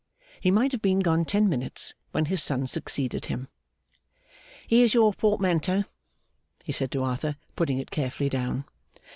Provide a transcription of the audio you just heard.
He might have been gone ten minutes, when his son succeeded him. 'Here's your portmanteau,' he said to Arthur, putting it carefully down.